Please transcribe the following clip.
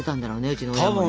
うちの親もね。